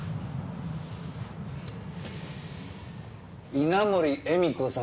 稲盛絵美子さん